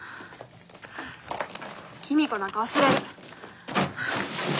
公子なんか忘れる。